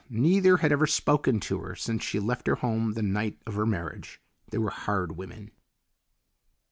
Neither had ever spoken to her since she left her home the night of her marriage. They were hard women.